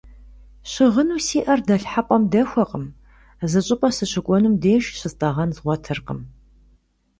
Щыгъыну сиӏэр дэлъхьэпӏэм дэхуэкъым, зы щӏыпӏэ сыщыкӏуэнум деж щыстӏэгъэн згъуэтыркъым.